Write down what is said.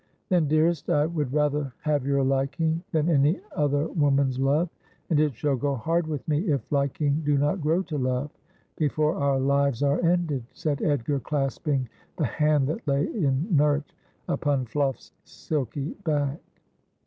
' Then, dearest, I would rather have your liking than any other woman's love : and it shall go hard with me if liking do not grow to love before our lives are ended,' said Edgar, clasping the hand that lay inhert upon FlufE's silky back.